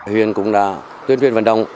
huyện cũng đã tuyên truyền vận động